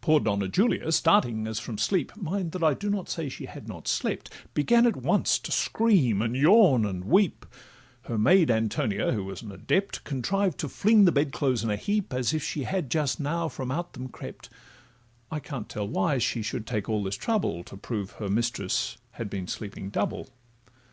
Poor Donna Julia, starting as from sleep (Mind—that I do not say—she had not slept), Began at once to scream, and yawn, and weep; Her maid Antonia, who was an adept, Contrived to fling the bed clothes in a heap, As if she had just now from out them crept: I can't tell why she should take all this trouble To prove her mistress had been sleeping double.